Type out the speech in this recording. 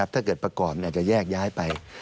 ถ้าเกิดประกอบอาจจะแยกย้ายไป